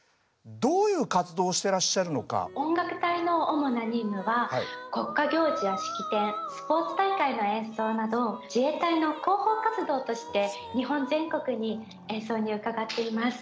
音楽隊の主な任務は国家行事や式典スポーツ大会の演奏など自衛隊の広報活動として日本全国に演奏に伺っています。